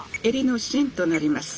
襟の芯となります。